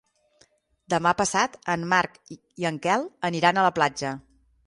Demà passat en Marc i en Quel aniran a la platja.